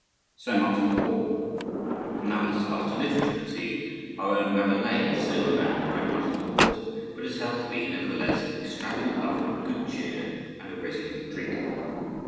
So much for war. Now let us pass to literature, and see our own Rabelais, a sober man who drank nothing but water, but is held to be, nevertheless, an extravagant lover of good cheer and a resolute drinker.